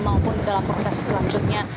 maupun dalam proses selanjutnya